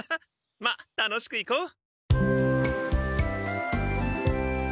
まあ楽しく行こう！